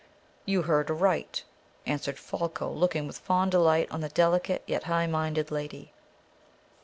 "You heard aright," answered Folko, looking with fond delight on the delicate yet high minded lady.